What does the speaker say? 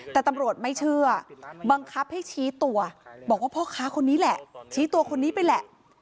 แต่ตำรวจไม่เชื่อบังคับให้ชี้ตัวบอกว่าพ่อค้าคนนี้แหละชี้ตัวคนนี้ไปแหละ